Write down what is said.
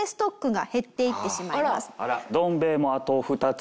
どん兵衛もあと２つ